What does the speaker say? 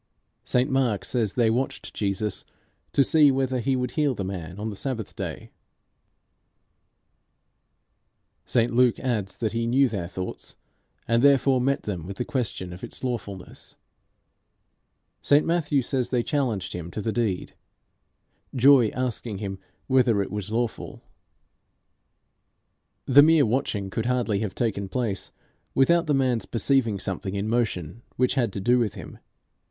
St Mark says they watched Jesus to see whether he would heal the man on the Sabbath day; St Luke adds that he knew their thoughts, and therefore met them with the question of its lawfulness; St Matthew says they challenged him to the deed Joy asking him whether it was lawful. The mere watching could hardly have taken place without the man's perceiving something in motion which had to do with him.